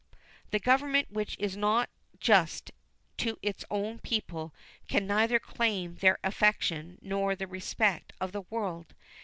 The Government which is not just to its own people can neither claim their affection nor the respect of the world.